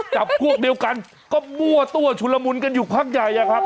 จับพวกเดียวกันก็มั่วตัวชุลมุนกันอยู่พักใหญ่อะครับ